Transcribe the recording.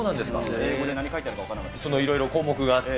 英語で何書いてあるか分かんそのいろいろ項目があって。